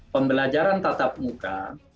pembelajaran tatap muka